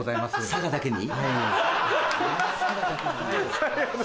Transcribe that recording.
佐賀だけに。